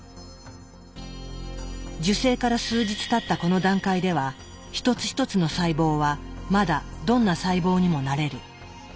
受精から数日たったこの段階では一つ一つの細胞はまだどんな細胞にもなれる。